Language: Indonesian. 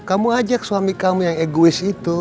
kamu ajak suami kamu yang egois itu